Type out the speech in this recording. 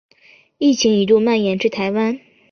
疫情一度蔓延至台湾。